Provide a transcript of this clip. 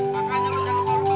bacanya lo jangan palu